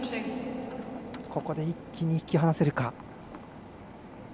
ここで一気に引き離せるか。